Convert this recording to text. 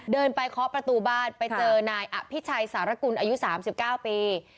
เดินไปเคาะประตูบ้านไปเจอนายอภิชัยสารกุลอายุ๓๙ปี